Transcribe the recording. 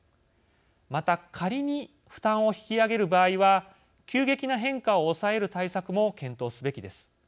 また仮に負担を引き上げる場合は急激な変化を抑える対策も検討すべきです。